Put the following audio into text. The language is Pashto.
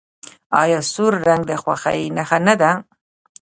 آیا سور رنګ د خوښۍ نښه نه ده؟